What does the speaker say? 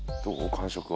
感触は。